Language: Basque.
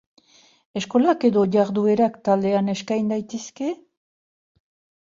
Eskolak edo jarduerak taldean eskain daitezke?